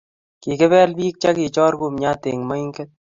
Kikibel biik chekichor kumnyat eng moinget